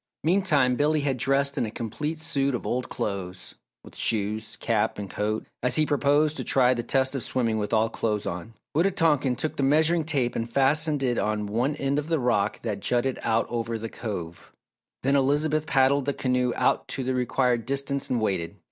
Meantime, Billy had dressed in a complete suit of old clothes with shoes, cap and coat as he proposed to try the test of swimming with all clothes on. Wita tonkan took the measuring tape and fastened it on one end of the rock that jutted out over the Cove, then Elizabeth paddled the canoe out to the required distance and waited.